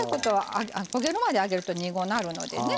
焦げるまで揚げると苦くなるのでね。